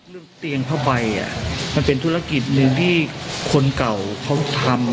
เรื่องเตียงผ้าใบมันเป็นธุรกิจหนึ่งที่คนเก่าเขาทำ